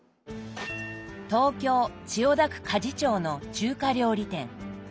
東京・千代田区鍛冶町の中華料理店。